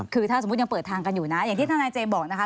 คือถ้าสมมุติยังเปิดทางกันอยู่นะอย่างที่ทนายเจมส์บอกนะคะ